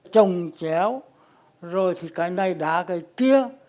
trồng chéo rồi thì cái này đá cái kia